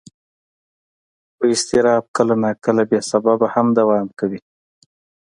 خو اضطراب کله ناکله بې سببه هم دوام کوي.